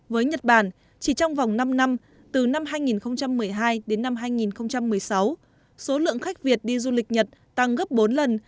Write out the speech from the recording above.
với nhật bản chỉ trong vòng năm năm từ năm hai nghìn một mươi hai đến năm hai nghìn một mươi sáu số lượng khách việt đi du lịch nhật tăng gấp bốn lần